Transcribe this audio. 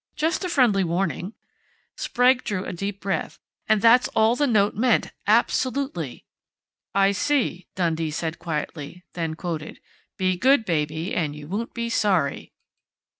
Just a friendly warning " Sprague drew a deep breath. "And that's all the note meant absolutely!" "I see," Dundee said quietly, then quoted: _"'Be good, Baby, and you won't be sorry!'"